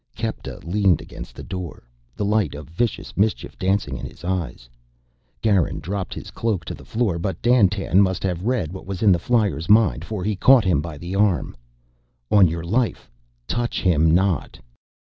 Kepta leaned against the door, the light of vicious mischief dancing in his eyes. Garin dropped his cloak to the floor, but Dandtan must have read what was in the flyer's mind, for he caught him by the arm. "On your life, touch him not!"